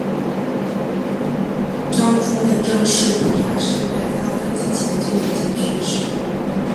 章宗的正室蒲察氏在他登基前就已经去世。